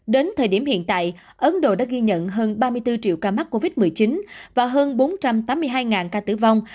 đến thời điểm hiện tại ấn độ đã ghi nhận hơn ba mươi bốn triệu ca mắc covid một mươi chín và hơn bốn trăm tám mươi hai ca tử vong